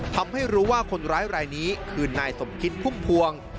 ทำให้รู้ว่าคนร้ายรายนี้คือนายสมคิดพุ่มพวง